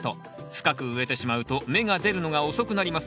深く植えてしまうと芽が出るのが遅くなります。